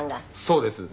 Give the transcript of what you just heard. そうです。